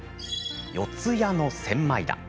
四谷の千枚田。